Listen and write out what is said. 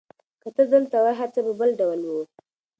که ته دلته وای، هر څه به بل ډول وو.